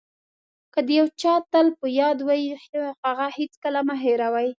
که د یو چا تل په یاد وئ هغه هېڅکله مه هیروئ.